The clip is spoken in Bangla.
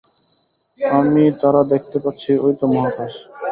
আমি তারা দেখতে পাচ্ছি, ঐতো মহাকাশ।